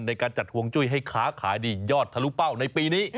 ในการจัดห่วงจุ้ยให้ค้าขายดียอดทะลุเป้าในปีนี้